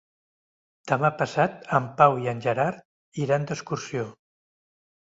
Demà passat en Pau i en Gerard iran d'excursió.